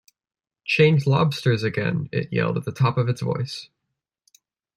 ‘Change lobsters again!’ it yelled at the top of its voice.